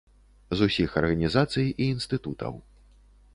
З усіх арганізацый і інстытутаў.